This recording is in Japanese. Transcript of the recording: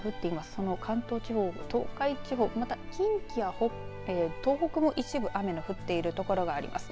その関東地方東海地方、近畿や北海も東北も一部、雨が降っている所があります。